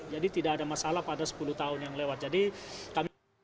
jadi tidak ada masalah pada sepuluh tahun yang lewat